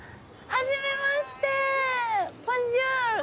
はじめましてボンジュール。